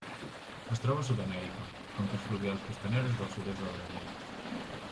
Es troba a Sud-amèrica: conques fluvials costaneres del sud-est del Brasil.